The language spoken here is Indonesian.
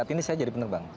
saat ini saya jadi penerbang